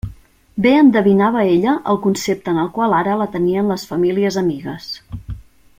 Bé endevinava ella el concepte en el qual ara la tenien les famílies amigues.